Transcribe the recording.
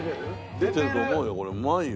出てると思うよ。